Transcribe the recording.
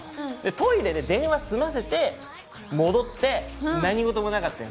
トイレで電話済ませて戻って何事もなかったように。